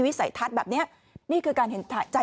ฟาดกลับเลยค่ะ